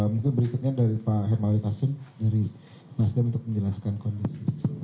mungkin berikutnya dari pak hermawi taslim dari nasdem untuk menjelaskan kondisi